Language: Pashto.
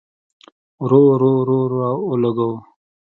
رور، رور، رور اولګوو